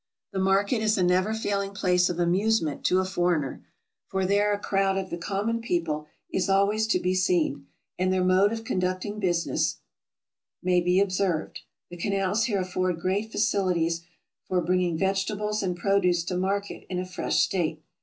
The market is a never failing place of amusement to a foreigner ; for there a crowd of the common people is always to be seen, and their mode of conducting business may be observed. The canals here afford great facilities for bring ing vegetables and produce to market in a fresh state.